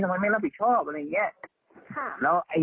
ทำไมไม่รับผิดชอบอะไรแบบนี้